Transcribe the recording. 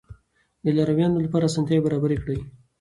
د لارويانو لپاره اسانتیاوې برابرې کړئ.